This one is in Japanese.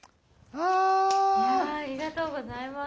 ありがとうございます。